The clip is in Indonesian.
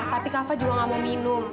tapi kava juga nggak mau minum